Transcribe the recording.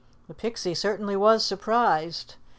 The Pixie certainly was surprised.